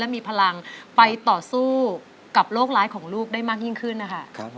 มีพลังไปต่อสู้กับโรคร้ายของลูกได้มากยิ่งขึ้นนะคะ